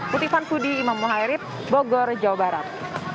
putri vanfudy imam mohairit bogor jawa barat